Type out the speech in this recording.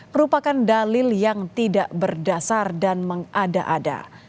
merupakan dalil yang tidak berdasar dan mengada ada